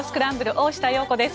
大下容子です。